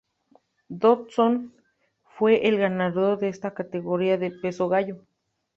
Dodson fue el ganador del en la categoría de peso gallo.